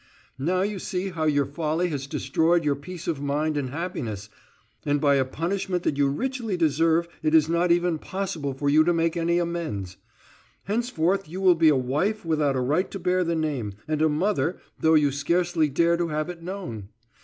Now you see how your folly has destroyed your peace of mind and happiness, and by a punishment that you richly deserve, it is not even possible for you to make any amends. Henceforth you will be a wife without a right to bear the name, and a mother, though you scarcely dare to have it known.